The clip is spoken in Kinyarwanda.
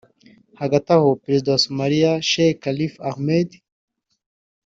Hagati aho Perezida wa Somaliya Sheikh Sharif Ahmed